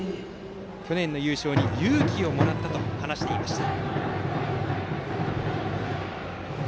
去年の優勝に勇気をもらったと話していました。